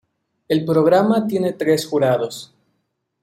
El programa tiene tres jurados.